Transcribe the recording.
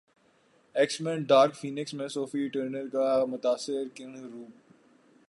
x men dark Phoenix میں Sophie Turner کا متاثر کن روپ